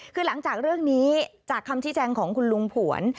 คือหลังจากเรื่องนี้จากคำชี้แจงของคุณลุงผวน